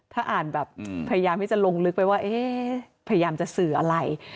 ถ้าอ่านแบบพยายามที่จะลงลึกไปว่าเอ๊ะพยายามจะสื่ออะไร